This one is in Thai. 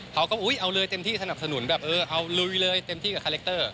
เขาก็อุ๊ยเอาเลยเต็มที่สนับสนุนแบบเออเอาลุยเลยเต็มที่กับคาแรคเตอร์